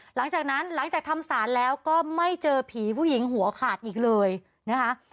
หลังจากนั้นหลังจากทำศาลแล้วก็ไม่เจอผีผู้หญิงหัวขาดอีกเลยนะคะ